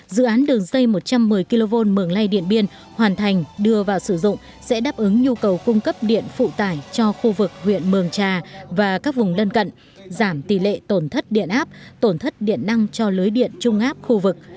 dự án đường dây một trăm một mươi kv mường lay điện biên hoàn thành đưa vào sử dụng sẽ đáp ứng nhu cầu cung cấp điện phụ tải cho khu vực huyện mường trà và các vùng lân cận giảm tỷ lệ tổn thất điện áp tổn thất điện năng cho lưới điện trung áp khu vực